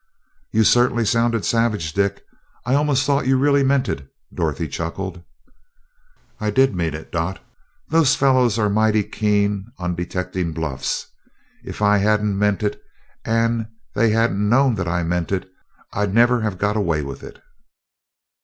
"You certainly sounded savage, Dick. I almost thought you really meant it!" Dorothy chuckled. "I did mean it, Dot. Those fellows are mighty keen on detecting bluffs. If I hadn't meant it, and if they hadn't known that I meant it, I'd never have got away with it."